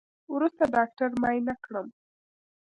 وروسته ډاکتر معاينه کړم.